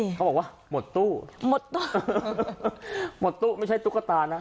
เขาบอกว่าหมดตู้หมดตู้หมดตู้ไม่ใช่ตุ๊กตานะ